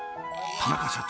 田中社長